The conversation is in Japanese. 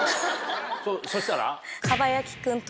そしたら？